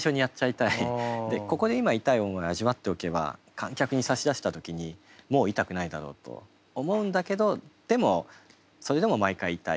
ここで今痛い思い味わっておけば観客に差し出した時にもう痛くないだろうと思うんだけどでもそれでも毎回痛い。